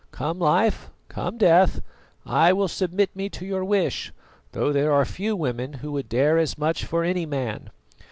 Come life, come death, I will submit me to your wish, though there are few women who would dare as much for any man.